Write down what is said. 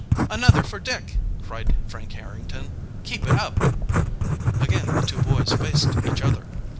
"Another for Dick!" cried Frank Harrington. "Keep it up!" Again the two boys faced each other.